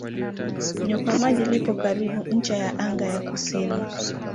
Nyoka Maji lipo karibu ncha ya anga ya kusini.